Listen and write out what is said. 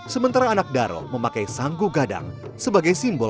sementara anak daro memakai sanggu gadang sebagai simbol